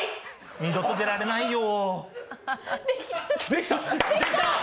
二度と出られないよ。